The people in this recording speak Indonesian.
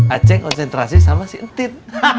aceh konsentrasi sama si entit